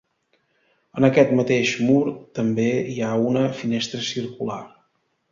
En aquest mateix mur també hi ha una finestra circular.